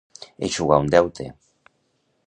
Eixugar un deute.